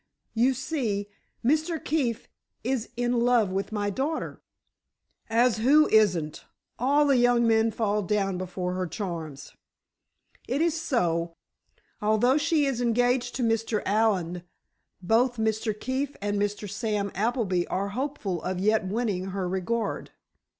You see, Mr. Keefe is in love with my daughter——" "As who isn't? All the young men fall down before her charms!" "It is so. Although she is engaged to Mr. Allen, both Mr. Keefe and Mr. Sam Appleby are hopeful of yet winning her regard.